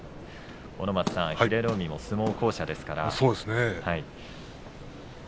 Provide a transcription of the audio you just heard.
阿武松さん英乃海も相撲巧者ですよね。